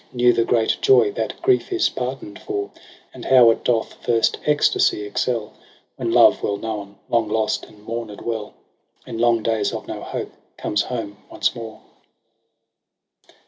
Knew the great joy that grief is pardon'd for ; And how it doth first ecstasy excel. When love well known, long lost, and mourned well In long days of no hope, comes home once more.